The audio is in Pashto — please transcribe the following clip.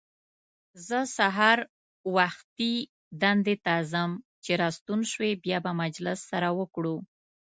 زه سهار وختي دندې ته ځم، چې راستون شوې بیا به مجلس سره وکړو.